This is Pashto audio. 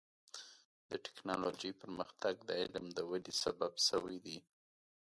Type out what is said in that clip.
د ټکنالوجۍ پرمختګ د علم د ودې سبب شوی دی.